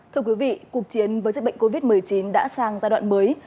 thưa quý vị cuộc chiến với dịch bệnh covid một mươi chín đã sang giai đoạn mới